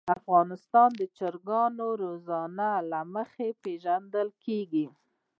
افغانستان د چرګانو د روزنې له مخې پېژندل کېږي.